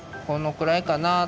これくらいかな。